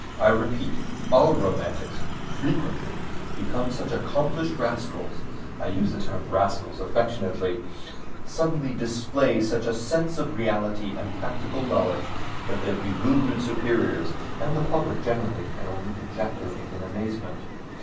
I repeat, our romantics, frequently, become such accomplished rascals (I use the term "rascals" affectionately), suddenly display such a sense of reality and practical knowledge that their bewildered superiors and the public generally can only ejaculate in amazement.